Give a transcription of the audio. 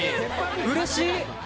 うれしい。